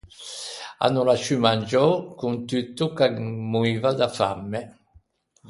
A no l’à ciù mangiou, con tutto ch’a moiva da famme.